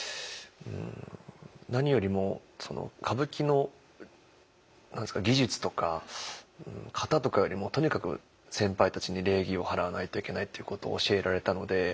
何よりも歌舞伎の技術とか型とかよりもとにかく先輩たちに礼儀を払わないといけないっていうことを教えられたので。